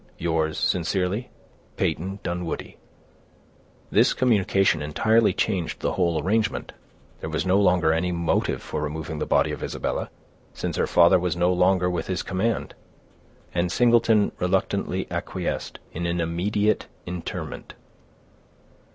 Yours sincerely, "PEYTON DUNWOODIE." This communication entirely changed the whole arrangement. There was no longer any motive for removing the body of Isabella, since her father was no longer with his command, and Singleton reluctantly acquiesced in an immediate interment.